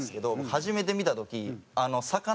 初めて見た時。